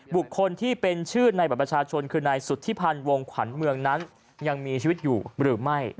บุคคลที่เป็นชื่อในบัตรประชาชนคือนายสุธิพันธ์วงขวัญเมืองนั้นยังมีชีวิตอยู่หรือไม่